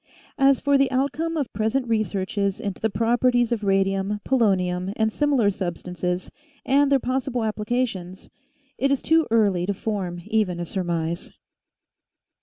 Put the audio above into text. As for the outcome of present researches into the prop erties of radium, polonium, and similar substances, and their possible applications, it is too early to form even a surmise.